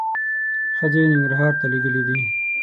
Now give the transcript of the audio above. ښځې ننګرهار ته لېږلي دي.